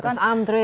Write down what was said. iya harus antri